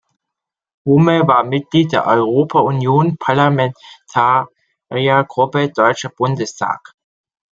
Humme war Mitglied der Europa-Union Parlamentariergruppe Deutscher Bundestag.